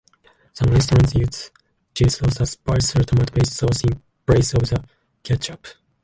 Some restaurants use chili sauce, a spicier tomato-based sauce in place of the ketchup.